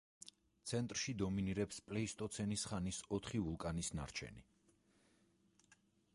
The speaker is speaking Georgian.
ცენტრში დომინირებს პლეისტოცენის ხანის ოთხი ვულკანის ნარჩენი.